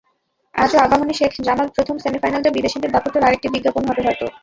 আজও আবাহনী-শেখ জামাল প্রথম সেমিফাইনালটা বিদেশিদের দাপটের আরেকটি বিজ্ঞাপন হবে হয়তো।